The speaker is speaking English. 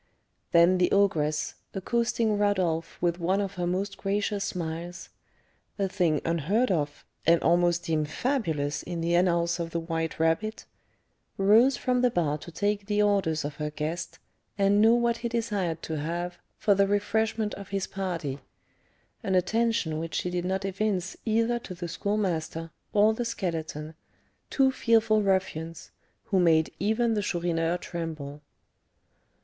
Then the ogress, accosting Rodolph with one of her most gracious smiles, a thing unheard of, and almost deemed fabulous, in the annals of the White Rabbit, rose from the bar to take the orders of her guest, and know what he desired to have for the refreshment of his party, an attention which she did not evince either to the Schoolmaster or the Skeleton, two fearful ruffians, who made even the Chourineur tremble.